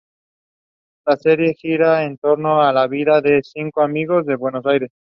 La serie gira en torno a la vida de cinco amigos de Buenos Aires.